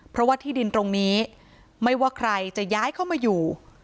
เพราะว่าที่ดินตรงนี้ไม่ว่าใครจะย้ายเข้ามาอยู่